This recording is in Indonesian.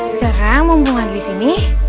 sekarang mumpungan di sini